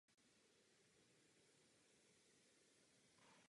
A člověk - člověk!